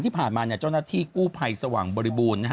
ที่ผ่านมาเจ้าหน้าที่กู้ภัยสว่างบริบูรณ์